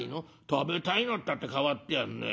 「食べたいのったって変わってやんね。